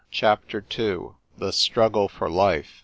CHAPTER II. THE STRUGGLE FOR LIFE.